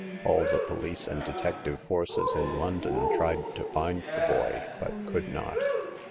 All the police and detective forces in London tried to find the boy, but could not.